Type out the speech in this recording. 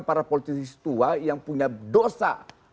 para politisi tua yang punya dosa